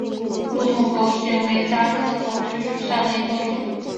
柱筒枸杞为茄科枸杞属下的一个种。